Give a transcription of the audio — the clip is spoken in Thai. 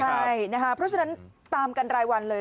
เพราะฉะนั้นตามกันรายวันเลย